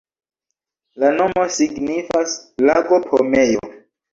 La nomo signifas lago-pomejo.